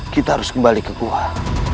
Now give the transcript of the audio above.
kita harus kembali ke kuah